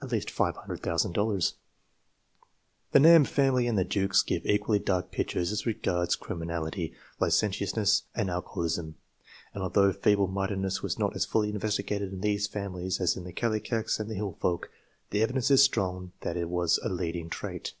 at least <$50(),000. 2 The Nam family and the Jukes give equally dark pictures as regards criminality, licentiousness, and alcoholism, and although fceble mindedness was not as fully investigated in these families as iu the Kullikaks and the Hill Folk, the evidence is strong that it was a leading trait.